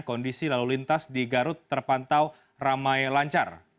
kondisi lalu lintas di garut terpantau ramai lancar